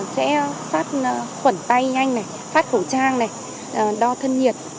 sẽ sát khuẩn tay nhanh này phát khẩu trang này đo thân nhiệt